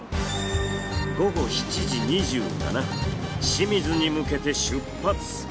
午後７時２７分清水に向けて出発。